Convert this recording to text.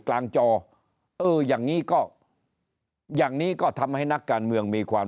กลางจอเอออย่างนี้ก็อย่างนี้ก็ทำให้นักการเมืองมีความ